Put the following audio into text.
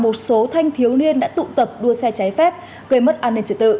một số thanh thiếu niên đã tụ tập đua xe trái phép gây mất an ninh trật tự